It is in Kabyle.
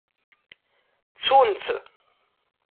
Ttun-tt.